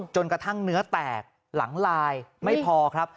จนกระทั่งเนื้อแตกหลังลายไม่พอครับ